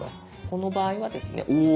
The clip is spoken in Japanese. この場合はですねうぉ！